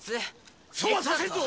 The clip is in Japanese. そうはさせんぞ！